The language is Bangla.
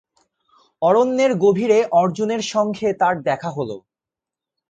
অরণ্যের গভীরে অর্জুনের সঙ্গে তাঁর দেখা হল।